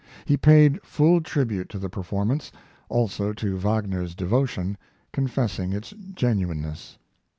He paid full tribute to the performance, also to the Wagner devotion, confessing its genuineness.